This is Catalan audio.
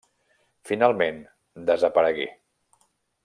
Finalment desaparegué.